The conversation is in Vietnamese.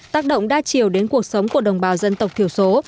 tác động đa chiều đến cuộc sống của đồng bào dân tộc thiểu số